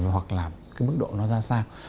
hoặc là mức độ nó ra sao